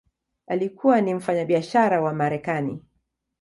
Alikuwa ni mfanyabiashara wa Marekani.